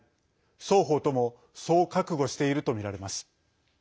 双方ともそう覚悟しているとみられます。